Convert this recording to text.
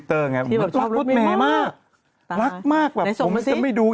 ของเพื่อนคุณเหรอ